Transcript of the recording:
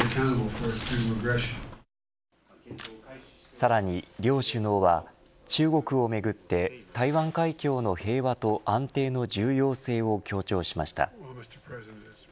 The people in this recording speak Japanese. さらに両首脳は中国をめぐって台湾海峡の平和と安定の重要性を強調しました。